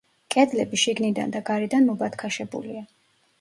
კედლები შიგნიდან და გარედან მობათქაშებულია.